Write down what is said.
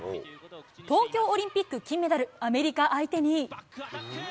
東京オリンピック金メダル、アメリカ相手に。